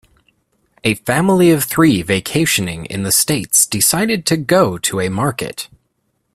A family of three vacationing in the states decided to go to a market